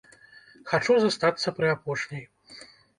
Хачу застацца пры апошняй.